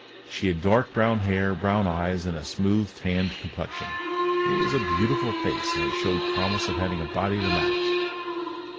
She had dark brown hair, brown eyes, and a smooth, tanned complexion. It was a beautiful face, and it showed promise of having a body to match.